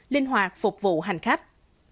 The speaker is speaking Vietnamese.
linh hoạt phục vụ hành khách